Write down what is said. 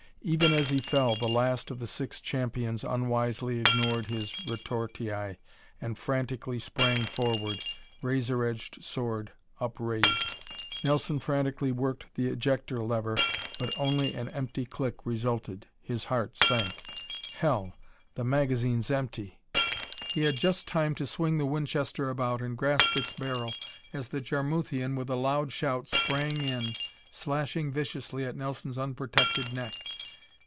Even as he fell, the last of the six champions unwisely ignored his retortii and frantically sprang forward, razor edged sword upraised. Nelson frantically worked the ejector lever but only an empty click resulted! His heart sank. "Hell! the magazine's empty!" He had just time to swing the Winchester about and grasp its barrel as the Jarmuthian, with a loud shout, sprang in, slashing viciously at Nelson's unprotected neck.